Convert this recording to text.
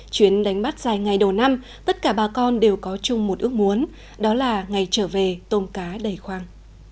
chuyến đánh bắt dài ngày đầu năm tất cả bà con đều có chung một ước muốn đó là ngày trở về tôm cá đầy khoang